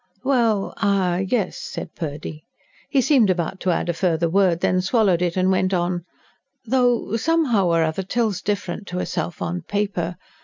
"Well, er ... yes," said Purdy. He seemed about to add a further word, then swallowed it, and went on: "Though, somehow or other, Till's different to herself, on paper.